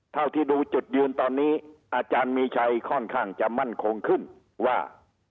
เท่าที่ดูจุดยืนตอนนี้อาจารย์มีชัยค่อนข้างจะมั่นคงขึ้นว่า